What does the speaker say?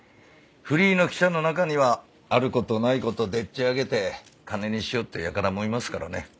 フリーの記者の中にはある事ない事でっち上げて金にしようってやからもいますからね。